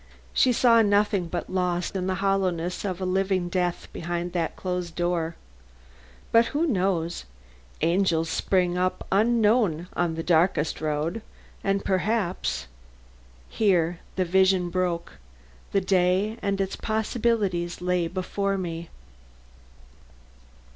She saw nothing but loss and the hollowness of a living death behind that closed door. But who knows? Angels spring up unknown on the darkest road, and perhaps Here the vision broke; the day and its possibilities lay before me.